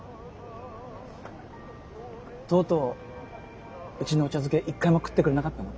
とうとううちのお茶漬け一回も食ってくれなかったな。